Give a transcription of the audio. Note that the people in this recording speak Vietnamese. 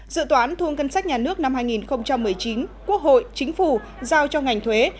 dự toán thu ngân sách nhà nước năm hai nghìn một mươi chín quốc hội chính phủ giao cho ngành thuế